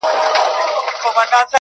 دا څه ليونى دی بيـا يـې وويـل.